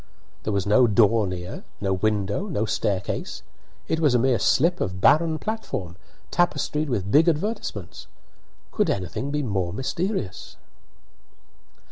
There was no door near, no window, no staircase; it was a mere slip of barren platform, tapestried with big advertisements. Could anything be more mysterious?